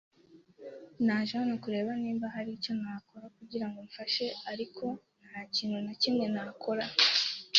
Naje hano kureba niba hari icyo nakora kugirango mfashe, ariko ntakintu nakimwe nkora.